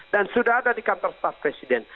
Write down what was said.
dan sudah ada di kantor staff presiden